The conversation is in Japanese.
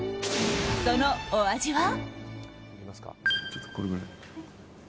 そのお味は？